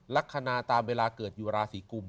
ลักษณะตามเวลาเกิดอยู่ราศีกุม